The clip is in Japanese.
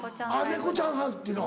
猫ちゃん派っていうの。